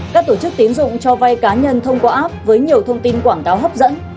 các tổ chức tín dụng cho vay cá nhân thông qua app với nhiều thông tin quảng cáo hấp dẫn